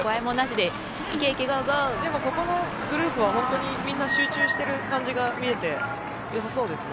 でも、ここのグループは本当にみんな集中してる感じが見えて、良さそうですね。